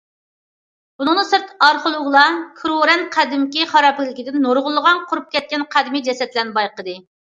بۇنىڭدىن سىرت ئارخېئولوگلار كىروران قەدىمكى خارابىلىكىدىن نۇرغۇنلىغان قۇرۇپ كەتكەن قەدىمىي جەسەتلەرنى بايقىدى.